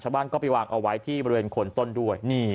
บ้านก็ไปวางเอาไว้ที่บริเวณคนต้นด้วย